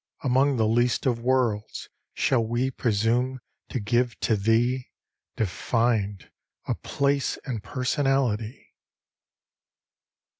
Among the least of worlds, shall we Presume to give to Thee, defined, A place and personality!